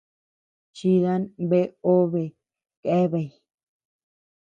Chidan bea obe keabeay.